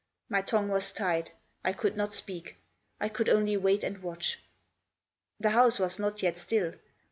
My tongue was tied. I could not speak. I could only wait and watch. The house was not yet still.